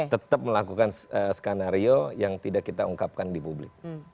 tetap melakukan skenario yang tidak kita ungkapkan di publik